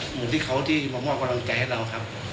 เหมือนที่เขาที่มามอบกำลังใจให้เราครับ